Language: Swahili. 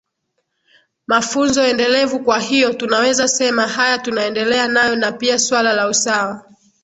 mafunzo endelevu kwa hiyo tunaweza sema haya tunaendelea nayo na pia suala la usawa